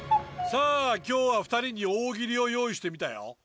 さあ今日は２人に大喜利を用意してみたよ。